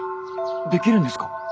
できるんですか？